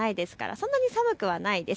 そんなに寒くはないです。